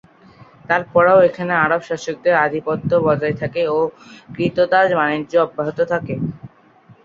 তারপরেও এখানে আরব শাসকদের আধিপত্য বজায় থাকে ও ক্রীতদাস বাণিজ্য অব্যাহত থাকে।